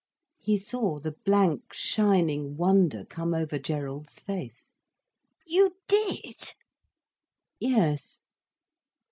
He saw the blank shining wonder come over Gerald's face. "You did?" "Yes.